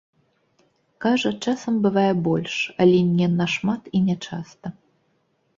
Кажа, часам бывае больш, але не нашмат і нячаста.